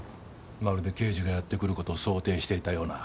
まるで刑事がやって来る事を想定していたような。